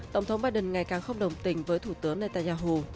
tổng thống biden ngày càng không đồng tình với thủ tướng netanyahu